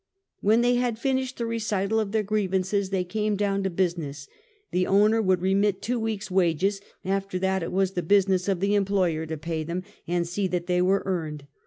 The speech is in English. "When they had finished the recital of their griev ances they came down to business. The owner would remit two week's wages; after that it was the business of the employer to pay them, and see that they were earned.